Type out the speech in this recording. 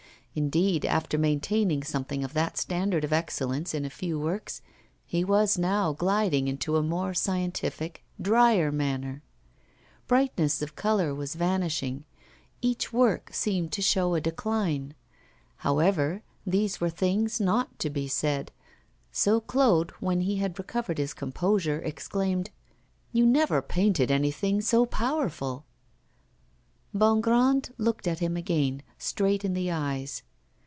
Indeed, after maintaining something of that standard of excellence in a few works, he was now gliding into a more scientific, drier manner. Brightness of colour was vanishing; each work seemed to show a decline. However, these were things not to be said; so Claude, when he had recovered his composure, exclaimed: 'You never painted anything so powerful!' Bongrand looked at him again, straight in the eyes.